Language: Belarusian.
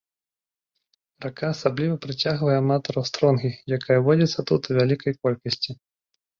Рака асабліва прыцягвае аматараў стронгі, якая водзіцца тут у вялікай колькасці.